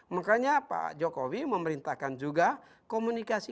makanya pak jokowi memerintahkan juga komunikasi